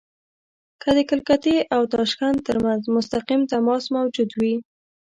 که د کلکتې او تاشکند ترمنځ مستقیم تماس موجود وي.